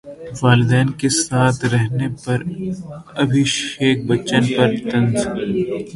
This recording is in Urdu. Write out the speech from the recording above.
والدین کے ساتھ رہنے پر ابھیشیک بچن پر طنز